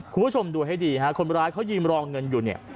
คุณผู้ชมดูดูให้ดีนะฮะคนร้ายเขายีมรอเงินอยู่